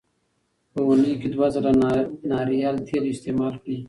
په اونۍ کې دوه ځله ناریال تېل استعمال کړئ.